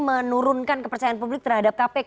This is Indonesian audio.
menurunkan kepercayaan publik terhadap kpk